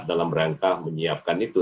dalam rangka menyiapkan itu